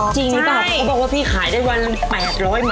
จริงหรือเปล่าเขาบอกว่าพี่ขายได้วันละ๘๐๐บาท